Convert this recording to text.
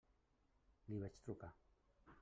Li vaig trucar.